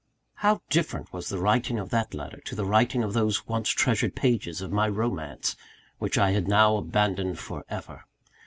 How different was the writing of that letter, to the writing of those once treasured pages of my romance, which I had now abandoned for ever!